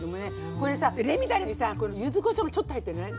これさレミだれにさ柚子こしょうがちょっと入ってるのね。